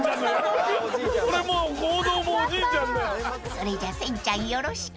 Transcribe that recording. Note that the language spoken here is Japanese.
［それじゃ千ちゃんよろしく］